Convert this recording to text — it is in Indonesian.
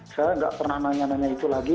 saya nggak pernah nanya nanya itu lagi